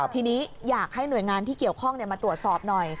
ทีนี้อยากให้หน่วยงานที่เกี่ยวข้องมาตรวจสอบหน่อย